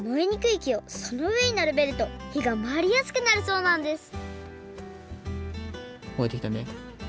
いきをそのうえにならべるとひがまわりやすくなるそうなんですもえてきたね。